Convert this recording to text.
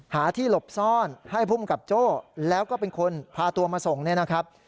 หาที่หลบซ่อนให้ภูมิกับโจ้แล้วก็เป็นคนพาตัวมาส่งเนี่ยนะครับ